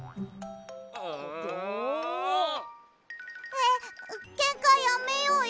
えっけんかやめようよ。